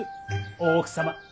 大奥様。